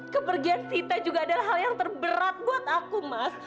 kepergian kita juga adalah hal yang terberat buat aku mas